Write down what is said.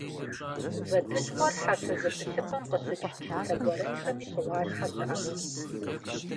Вэдыщхъуэр хьэсэ зэпылъыпӏэм къыщыкӏ чыцэ гуэрэнхэми щыгъуалъхьэ щыӏэщ.